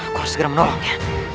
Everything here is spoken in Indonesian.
aku harus segera menolongnya